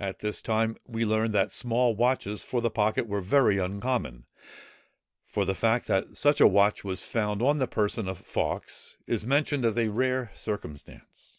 At this time, we learn, that small watches for the pocket were very uncommon; for the fact, that such a watch was found on the person of Fawkes, is mentioned as a rare circumstance.